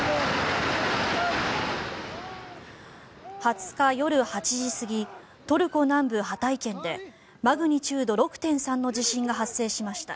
２０日夜８時過ぎトルコ南部ハタイ県でマグニチュード６．３の地震が発生しました。